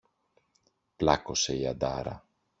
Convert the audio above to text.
Πλάκωσε η αντάρα!